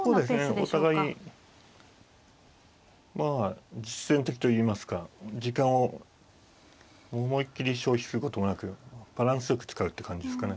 お互いまあ実戦的といいますか時間を思いっきり消費することもなくバランスよく使うって感じですかね。